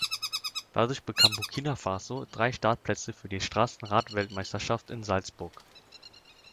Dadurch bekam Burkina Faso drei Startplätze für die Straßen-Radweltmeisterschaft in Salzburg.